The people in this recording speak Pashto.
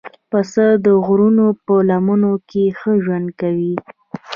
پسه د غرونو په لمنو کې ښه ژوند کوي.